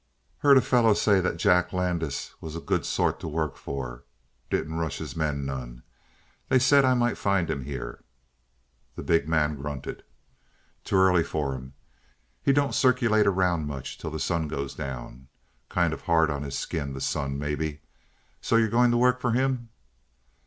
"Heard a fellow say that Jack Landis was a good sort to work for didn't rush his men none. They said I might find him here." The big man grunted. "Too early for him. He don't circulate around much till the sun goes down. Kind of hard on his skin, the sun, maybe. So you're going to work for him?"